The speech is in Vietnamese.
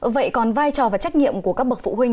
vậy còn vai trò và trách nhiệm của các bậc phụ huynh